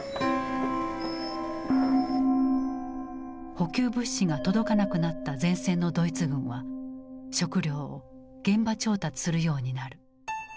補給物資が届かなくなった前線のドイツ軍は食料を現場調達するようになる。